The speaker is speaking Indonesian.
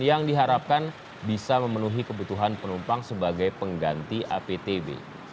yang diharapkan bisa memenuhi kebutuhan penumpang sebagai pengganti aptb